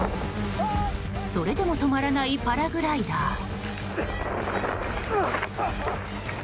それでも止まらないパラグライダー。